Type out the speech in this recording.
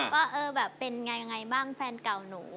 ว่าเป็นยังไงบ้างแฟนเก่าหนู